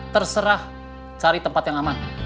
terserah cari tempat yang aman